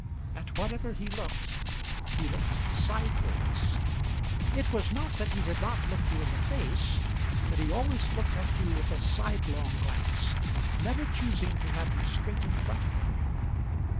At whatever he looked he looked sideways; it was not that he did not look you in the face, but he always looked at you with a sidelong glance, never choosing to have you straight in front of him.